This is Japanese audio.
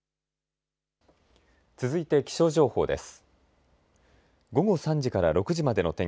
続いて気象情報です。